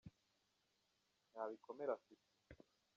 ntabikomere afite.